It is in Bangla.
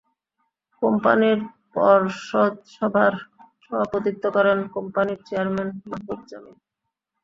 কোম্পানির পর্ষদ সভায় সভাপতিত্ব করেন কোম্পানির চেয়ারম্যান মাহ্বুব জামিল।